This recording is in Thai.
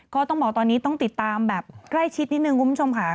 ก็ต้องบอกตอนนี้ต้องติดตามแบบใกล้ชิดนิดนึงคุณผู้ชมค่ะ